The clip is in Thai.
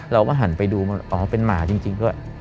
เราก็หันไปดูอ๋อเป็นหมาจริงด้วย